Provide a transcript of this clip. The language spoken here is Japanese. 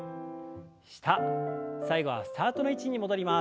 下最後はスタートの位置に戻ります。